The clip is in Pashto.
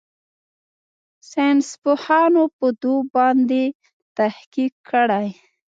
ساينسپوهانو په دو باندې تحقيق کړى.